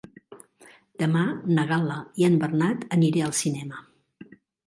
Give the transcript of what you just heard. Demà na Gal·la i en Bernat aniré al cinema.